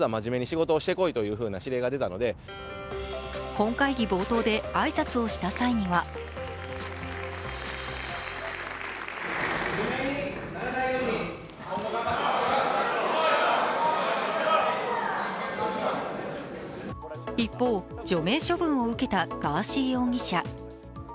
本会議冒頭で挨拶をした際には一方、除名処分を受けたガーシー容疑者。